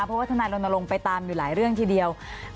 เพราะว่าทนายรณรงค์ไปตามอยู่หลายเรื่องทีเดียว